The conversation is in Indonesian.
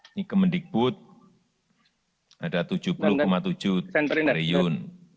ini ke mendikbud ada rp tujuh puluh tujuh triliun